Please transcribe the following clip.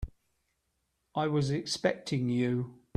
I was expecting you.